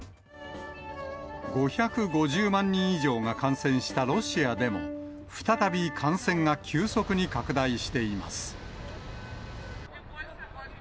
５５０万人以上が感染したロシアでも、再び、感染が急速に拡大しています。